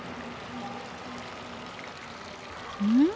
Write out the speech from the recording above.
うん？